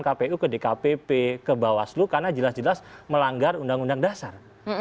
kpu ke dkpp ke bawaslu karena jelas jelas melanggar undang undang dasar